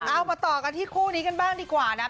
เอามาต่อกันที่คู่นี้กันบ้างดีกว่านะครับ